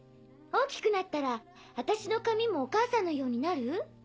大きくなったら私の髪もお母さんのようになる？